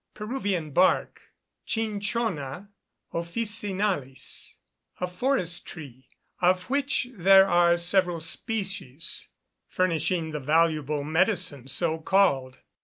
Peruvian bark (Cinchona officinalis), a forest tree, of which there are several species, furnishing the valuable medicine so called.